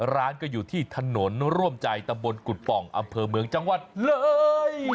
ร้านก็อยู่ที่ถนนร่วมใจตำบลกุฎป่องอำเภอเมืองจังหวัดเลย